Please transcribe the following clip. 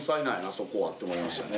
そこはって思いましたね